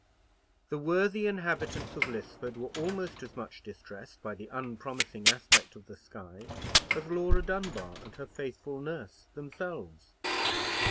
The worthy inhabitants of Lisford were almost as much distressed by the unpromising aspect of the sky as Laura Dunbar and her faithful nurse themselves.